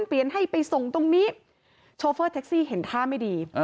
เปลี่ยนให้ไปส่งตรงนี้โชเฟอร์แท็กซี่เห็นท่าไม่ดี